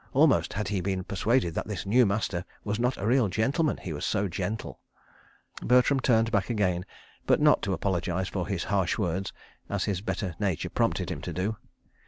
Almost had he been persuaded that this new master was not a real gentleman—he was so gentle. ... Bertram turned back again, but not to apologise for his harsh words, as his better nature prompted him to do.